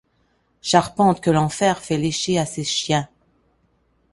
Charpente que l'enfer fait lécher à ses chiens